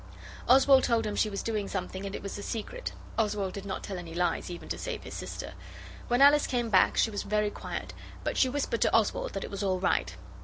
Oswald told him she was doing something and it was a secret. Oswald did not tell any lies even to save his sister. When Alice came back she was very quiet, but she whispered to Oswald that it was all right.